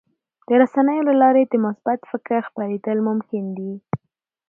د رسنیو له لارې د مثبت فکر خپرېدل ممکن دي.